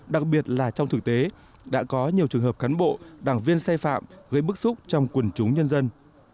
đặc biệt là trong thực tế đã có nhiều trường hợp cán bộ đảng viên sai phạm gây bức xúc trong quần chúng nhân dân